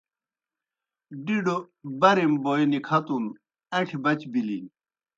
ڈِڈوْ بَرِم بوئے نِکَھتُن، اݩٹھیْ بچ بِلِن۔